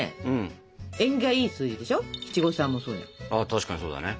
確かにそうだね。